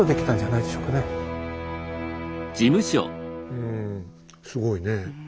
うんすごいねえ。